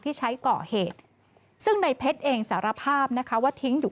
ที่ใช้ก่อเหตุซึ่งในเพชรเองสารภาพนะคะว่าทิ้งอยู่